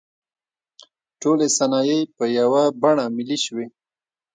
ټولې صنایع په یوه بڼه ملي شوې.